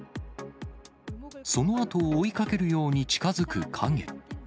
そのあとを追いかけるように近づく影。